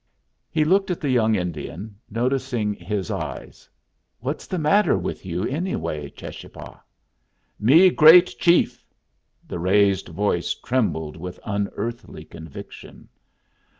He looked at the young Indian, noticing his eyes. "What's the matter with you, anyway, Cheschapah?" "Me great chief!" The raised voice trembled with unearthly conviction.